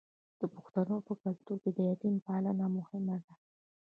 د پښتنو په کلتور کې د یتیم پالنه مهمه ده.